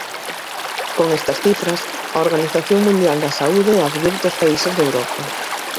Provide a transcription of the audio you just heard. Con estas cifras, a Organización Mundial da Saúde advirte aos países de Europa.